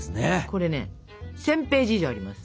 これね１，０００ページ以上あります。